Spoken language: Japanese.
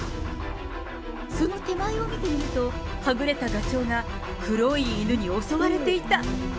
その手前を見てみると、はぐれたガチョウが、黒い犬に襲われていた。